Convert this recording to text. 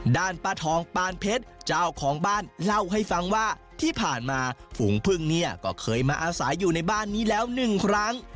ด้านป้าทองปานเพชรเจ้าของบ้านเล่าให้ฟังว่าที่ผ่านมาฝูงพึ่งเนี่ยก็เคยมาอาศัยอยู่ในบ้านนี้แล้วหนึ่งครั้ง